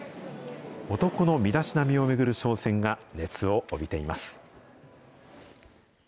男の身だしなみを巡る商戦が熱を帯びています。